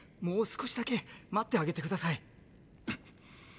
もう少しだけ待ってあげて下さい。